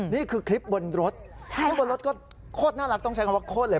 นี่คือคลิปบนรถแล้วบนรถก็โคตรน่ารักต้องใช้คำว่าโคตรเลย